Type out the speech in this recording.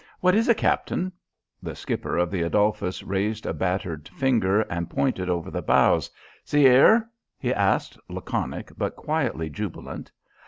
"What is it, Captain?" The skipper of the Adolphus raised a battered finger and pointed over the bows. "See 'er?" he asked, laconic but quietly jubilant.